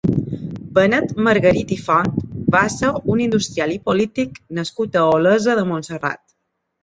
Benet Margarit i Font va ser un industrial i polític nascut a Olesa de Montserrat.